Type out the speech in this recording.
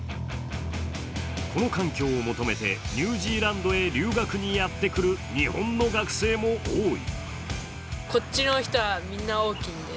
この環境を求めてニュージーランドへ留学にやってくる日本の学生も多い。